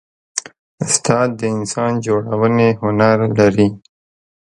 استاد د انسان جوړونې هنر لري.